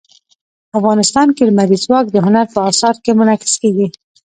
افغانستان کې لمریز ځواک د هنر په اثار کې منعکس کېږي.